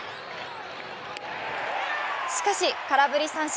しかし空振り三振。